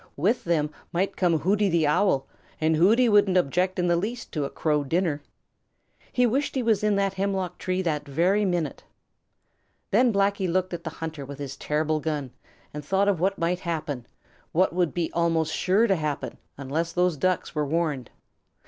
With them might come Hooty the Owl, and Hooty wouldn't object in the least to a Crow dinner. He wished he was in that hemlock tree that very minute. Then Blacky looked at the hunter with his terrible gun and thought of what might happen, what would be almost sure to happen, unless those Ducks were warned.